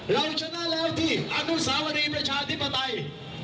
เราชนะแล้วที่อนุสาวรีประชาธิปไตย